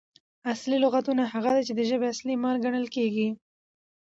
اصلي لغاتونه هغه دي، چي د ژبي اصلي مال ګڼل کیږي.